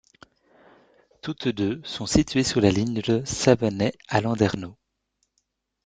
Toutes deux sont situées sur la ligne de Savenay à Landerneau.